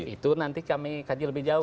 itu nanti kami kaji lebih jauh